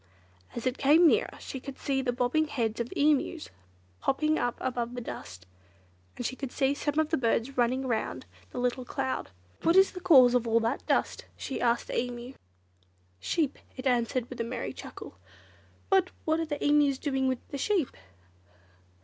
As it came nearer she could see the bobbing heads of Emus, popping up above the dust, and she could see some of the birds running round the little cloud. "What is the cause of all that dust?" she asked the Emu. "Sheep!" it answered with a merry chuckle. "But what are the Emus doing with the sheep?"